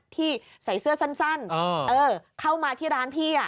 ที่ใส่เสื้อสั้นเข้ามาที่ร้านพี่